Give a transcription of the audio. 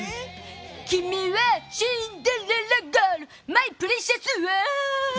君はシンデレラガールマイプレシャス、ワー。